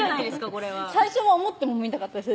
これは最初は思ってもみなかったです